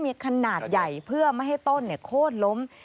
มีขนาดใหญ่เพื่อไม่ให้ต้นโค้นล้ม